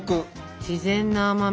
自然な甘み。